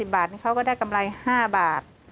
๘๐บาทเขาก็ได้กำไร๕บาท